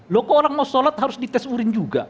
loh kok orang mau sholat harus dites urin juga